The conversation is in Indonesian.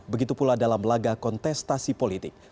begitu pula dalam laga kontestasi politik